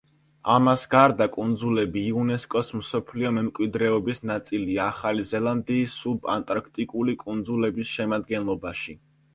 ამას გარდა, კუნძულები იუნესკოს მსოფლიო მემკვიდრეობის ნაწილია ახალი ზელანდიის სუბანტარქტიკული კუნძულების შემადგენლობაში.